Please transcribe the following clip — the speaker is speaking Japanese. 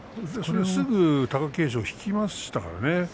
すぐ貴景勝が引きましたからね。